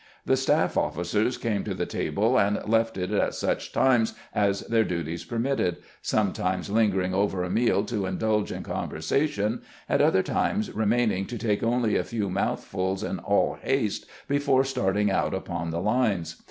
The staff officers came to the table and left it at such times as their duties permitted, sometimes lin gering over a meal to indulge in conversation, at other times remaining to take only a few mouthfuls in all haste before starting out upon the lines.